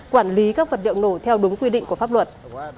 quản lý các vật liệu nổ theo đúng quy định của pháp luật